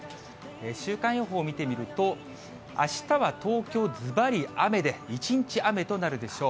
週間予報見てみると、あしたは東京、ずばり雨で、一日雨となるでしょう。